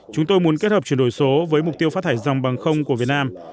chúng tôi muốn kết hợp chuyển đổi số với mục tiêu phát thải dòng bằng không của việt nam